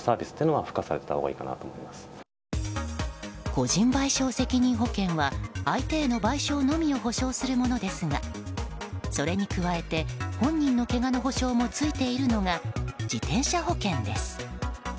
個人賠償責任保険は相手への賠償のみを補償するものですがそれに加えて、本人のけがの補償もついているのが自転車保険です。